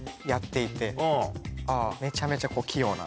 めちゃめちゃ器用な。